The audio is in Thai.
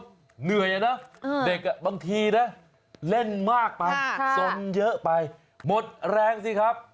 บางทีเร่งมากโดนเยอะไปหมดแรงสิครับ